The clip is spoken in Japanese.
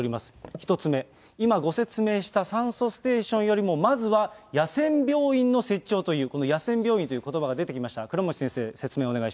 １つ目、今、ご説明した酸素ステーションよりも、まずは野戦病院の設置をという、この野戦病院ということばが出てきました。